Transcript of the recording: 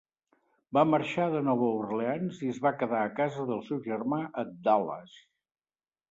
Va marxar de Nova Orleans i es va quedar a casa del seu germà a Dallas.